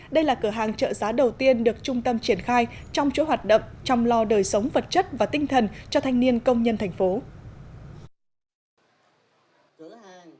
đây là cửa hàng trợ giá đầu tiên được trung tâm triển khai trong chỗ hoạt động trong lo đời sống vật chất và tinh thần cho thanh niên công nhân tp hcm